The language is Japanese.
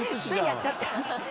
ついやっちゃった。